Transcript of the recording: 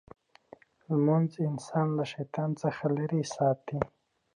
لمونځ انسان له شیطان څخه لرې ساتي.